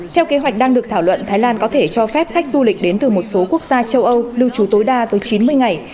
theo kế hoạch đang được thảo luận thái lan có thể cho phép khách du lịch đến từ một số quốc gia châu âu lưu trú tối đa tới chín mươi ngày